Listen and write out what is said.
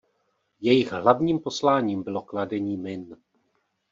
Jejich hlavním posláním bylo kladení min.